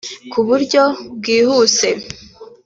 ku buryo bwihuse